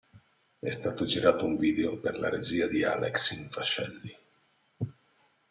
È stato girato un video per la regia di Alex Infascelli.